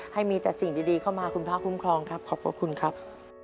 ให้มีแต่สิ่งดีเข้ามาคุณพระคุ้มครองครับขอบพระคุณครับ